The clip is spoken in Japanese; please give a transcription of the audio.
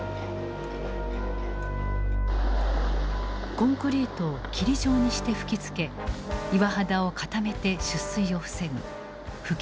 コンクリートを霧状にして吹きつけ岩肌を固めて出水を防ぐ吹付コンクリート。